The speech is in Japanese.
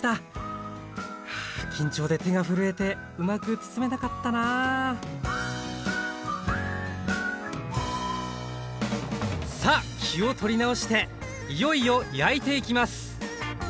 はあ緊張で手が震えてうまく包めなかったなさあ気を取り直していよいよ焼いていきます！